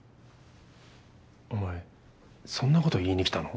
お前そんな事言いに来たの？